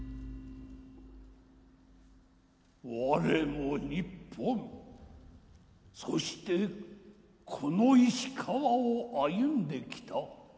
我も日本そしてこの石川を歩んできた旅人の一人だ。